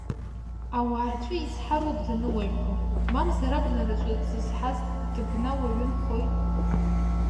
Ауаа рҿы изҳароуп дануаҩхо, мамзар абнараҿы зызҳаз дыбнауаҩымхои…